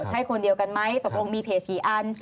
ใช่คนเดียวกันไหมตกลงมีเพจ๔อัน